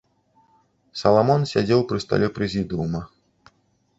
Саламон сядзеў пры стале прэзідыума.